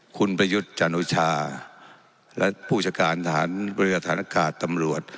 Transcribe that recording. คุณประยุทธ์จานุชาและผู้จัดการศาลเบลือธานการณ์ตำรวจ